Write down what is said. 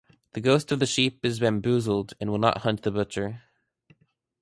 The ghost of the sheep is bamboozled and will not haunt the butcher.